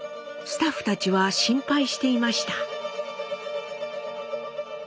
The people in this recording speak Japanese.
スタッフたちは心配していました。